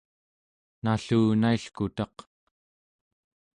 nallunailkutaq